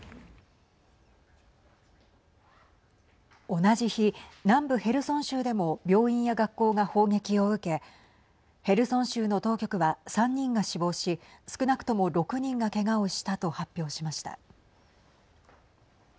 同じ日、南部ヘルソン州でも病院や学校が砲撃を受けヘルソン州の当局は３人が死亡し少なくとも６人がけがをしたと発表しました。